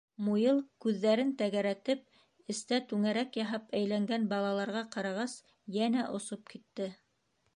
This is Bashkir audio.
Муйыл күҙҙәрен тәгәрәтеп эстә түңәрәк яһап әйләнгән балаларға ҡарағас, йәнә осоп китте.